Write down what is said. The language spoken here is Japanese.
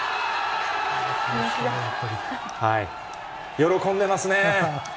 喜んでますね。